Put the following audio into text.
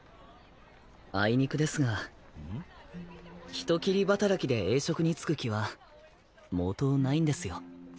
人斬り働きで栄職に就く気は毛頭ないんですよ。